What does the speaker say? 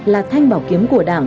là thanh bảo kiếm của đất nước